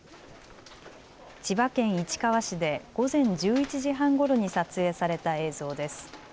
千葉県市川市で午前１１時半ごろに撮影された映像です。